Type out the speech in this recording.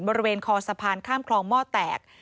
บริเวณคอสะพานข้ามคลองหม้อแตก